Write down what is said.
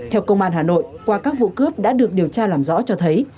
theo công an hà nội qua các vụ cướp đã được điều tra làm rõ cho thấy